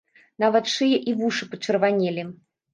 Нават шыя і вушы пачырванелі.